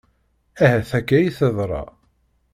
Ahat akka i teḍra.